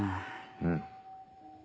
うん。